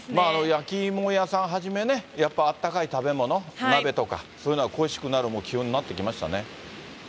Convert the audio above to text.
焼き芋屋さんはじめね、やっぱりあったかい食べ物、鍋とか、そういうのが恋しくなる気温になってきましたね。